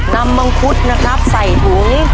มังคุดนะครับใส่ถุง